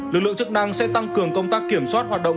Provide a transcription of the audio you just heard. lực lượng chức năng sẽ tăng cường công tác kiểm soát hoạt động